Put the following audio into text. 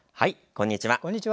こんにちは。